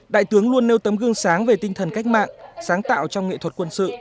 đại tướng luôn nêu tấm gương sáng về tinh thần cách mạng sáng tạo trong nghệ thuật quân sự